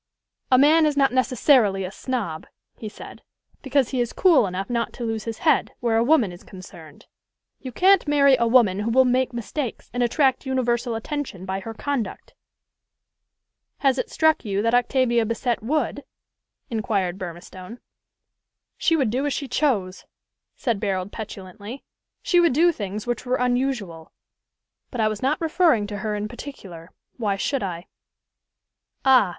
"A man is not necessarily a snob," he said, "because he is cool enough not to lose his head where a woman is concerned. You can't marry a woman who will make mistakes, and attract universal attention by her conduct." "Has it struck you that Octavia Bassett would?" inquired Burmistone. "She would do as she chose," said Barold petulantly. "She would do things which were unusual; but I was not referring to her in particular. Why should I?" "Ah!"